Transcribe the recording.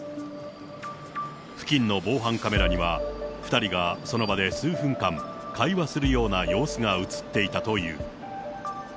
付近の防犯カメラには、２人がその場で数分間、会話するような様子が写っていたという。